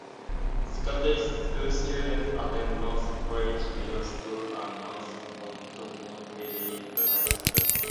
Secondary school students attend Northridge Middle School and North Montgomery High School.